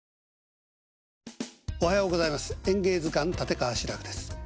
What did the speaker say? おはようございます。